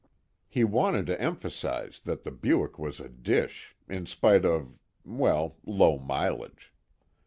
He wanted to emphasize that the Buick was a dish, in spite of well, low mileage.